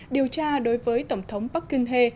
điều tra đối với tổng thống bắc kinh hê